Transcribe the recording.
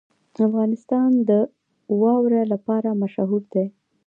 افغانستان د واوره لپاره مشهور دی.